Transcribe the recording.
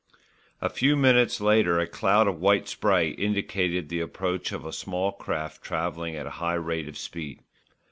A few minutes later a cloud of white spray indicated the approach of a small craft travelling at a high rate of speed.